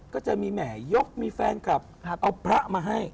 ก็จะมีแหมยกมีแฟนคลับเอาพระมาให้